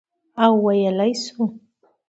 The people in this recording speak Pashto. او ویلای شو،